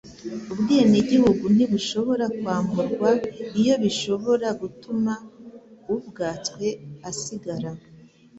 ubwenegihugu ntibushobora kwamburwa iyo bishobora gutuma ubwatswe asigara